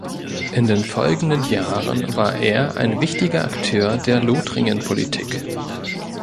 In den folgenden Jahren war er ein wichtiger Akteur der Lothringen-Politik.